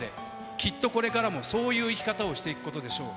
きっとこれからもそういう生き方をしていくことでしょう。